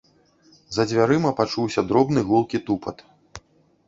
За дзвярыма пачуўся дробны гулкі тупат.